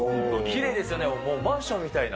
きれいですよね、もうマンションみたいな。